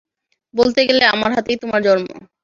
বলতে গেলে আমার হাতেই তোমার জন্ম।